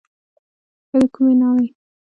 ښه د کومې ناوې.